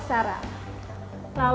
yang keempat adalah hoax